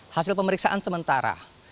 hasil pemeriksaan sementara